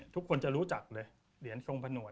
ทุกคนจะรู้จักเลยเหรียญทรงผนวด